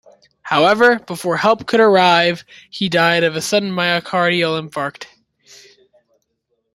However, before help could arrive, he died of a sudden myocardial infarct.